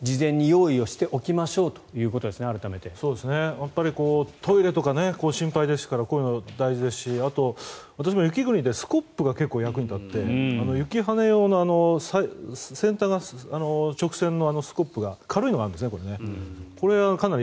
やっぱりトイレとか心配ですからこういうのが大事ですし私も雪国でスコップが結構役に立って雪はね用の先端が直線のスコップが軽いのがあるんですね。